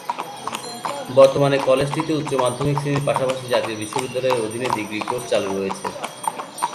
বর্তমানে কলেজটিতে উচ্চমাধ্যমিক শ্রেণির পাশাপাশি জাতীয় বিশ্ববিদ্যালয়ের অধীনে ডিগ্রী কোর্স চালু রয়েছে।